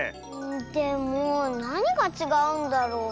でもなにがちがうんだろう？